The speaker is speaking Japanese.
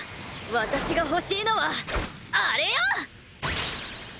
私が欲しいのはあれよ！